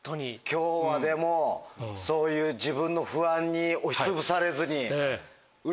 今日はでもそういう自分の不安に押しつぶされずに。